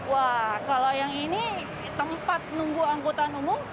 wah kalau yang ini tempat nunggu angkutan umum